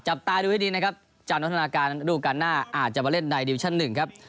จับตาดูให้ดีนะครับจันมัธนาการดูกันหน้าอาจจะมาเล่นในดิวิชั่น๑ครับ